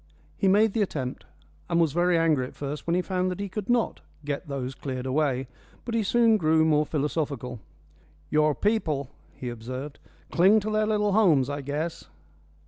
He made the attempt, and was very angry at first when he found that he could not "get those cleared away." But he soon grew more philosophical. "Your people," he observed, "cling to their little homes, I guess."